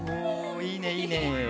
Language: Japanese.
いいねいいね。